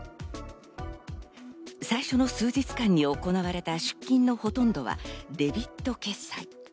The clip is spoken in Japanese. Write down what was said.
最初の数日間に行われた出金のほとんどはデビット決済。